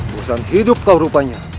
bukan hidup kau rupanya